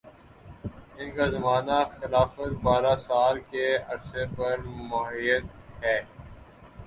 ان کا زمانہ خلافت بارہ سال کے عرصہ پر محیط ہے